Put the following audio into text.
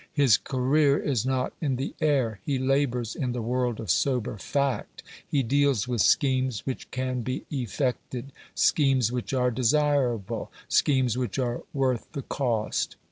His career is not in the air; he labours in the world of sober fact; he deals with schemes which can be effected schemes which are desirable schemes which are worth the cost.